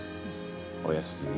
おやすみ。